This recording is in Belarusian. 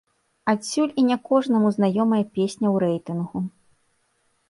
Адсюль і не кожнаму знаёмая песня ў рэйтынгу.